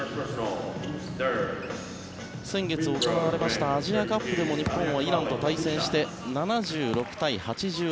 先月行われましたアジアカップでも日本はイランと対戦して７６対８８。